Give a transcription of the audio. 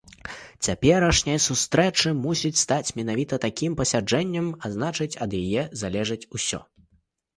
Цяперашняй сустрэчы мусіць стаць менавіта такім пасяджэннем, а значыць, ад яе залежыць усё.